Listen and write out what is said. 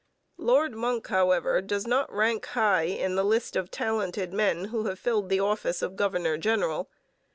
Lord Monck, however, does not rank high in the list of talented men who have filled the office of governor general.